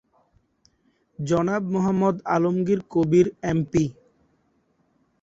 জনাব মোহাম্মদ আলমগীর কবির এমপি।